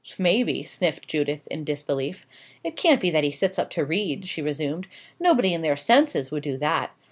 "Maybe," sniffed Judith, in disbelief. "It can't be that he sits up to read," she resumed. "Nobody in their senses would do that.